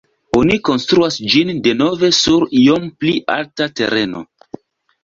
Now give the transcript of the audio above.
Oni konstruas ĝin denove sur iom pli alta tereno.